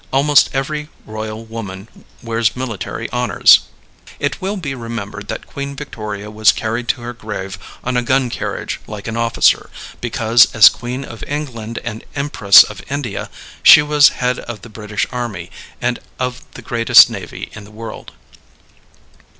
Almost every royal woman wears military honors. It will be remembered that Queen Victoria was carried to her grave on a gun carriage like an officer, because as Queen of England and Empress of India she was head of the British army and of the greatest navy in the world.